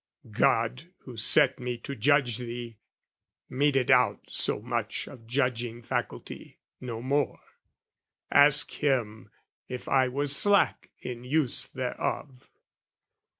"God who set me to judge thee, meted out "So much of judging faculty, no more: "Ask Him if I was slack in use thereof!"